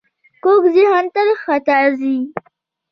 کوږ ذهن تل خطا ځي